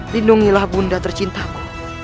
lindungilah bunda tercintaku